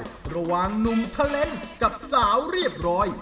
แต่ว่าหว่างนุ่มทาเลนท์กับสาวเรียบร้อย